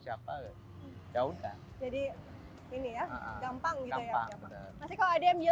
siapa ya udah jadi gampang gampang's miful kita ke politissippi politikus